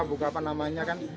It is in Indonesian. buku apa namanya kan